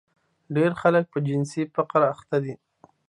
ډېری خلک په جنسي فقر اخته دي.